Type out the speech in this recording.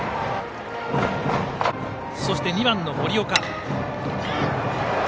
そして、２番の森岡。